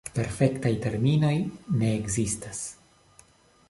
Perfektaj terminoj ne ekzistas.